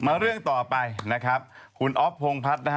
มาเรื่องต่อไปครูนอธโพงพัทต์